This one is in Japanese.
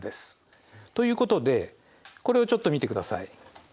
ということでこれをちょっと見てください。